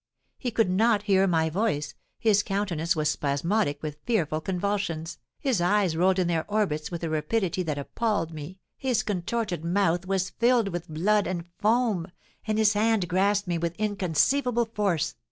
He could not hear my voice, his countenance was spasmodic with fearful convulsions, his eyes rolled in their orbits with a rapidity that appalled me, his contorted mouth was filled with blood and foam, and his hand grasped me with inconceivable force.